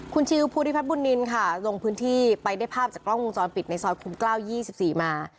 คุณชื่อภูทิพัฒน์บุญนินค่ะลงพื้นที่ไปได้ภาพจากกล้องมุมจรปิดในซอยคุมเกล้ายี่สิบสี่มา